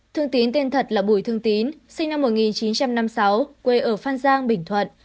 thương tín tên thật là bùi thương tín sinh năm một nghìn chín trăm năm mươi sáu quê ở phan giang bình thuận